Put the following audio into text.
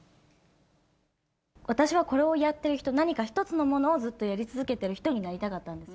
私はこれをやってる人、何か一つのものをずっとやり続けてる人になりたかったんです。